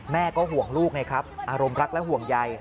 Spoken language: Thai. แม่ก็ห่วงลูกไงครับอารมณ์รักและห่วงใย